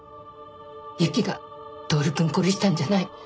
雪が透くん殺したんじゃない。